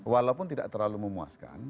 walaupun tidak terlalu memuaskan